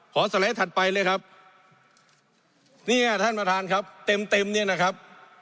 สไลด์ถัดไปเลยครับเนี่ยท่านประธานครับเต็มเต็มเนี่ยนะครับ